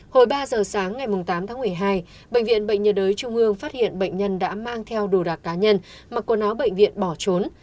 hồi ba giờ sáng ngày tám tháng một mươi hai bệnh viện bệnh nhiệt đới trung ương phát hiện bệnh nhân đã mang theo đồ đạc cá nhân mặc quần áo bệnh viện bỏ trốn